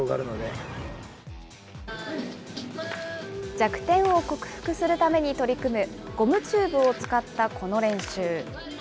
弱点を克服するために取り組む、ゴムチューブを使ったこの練習。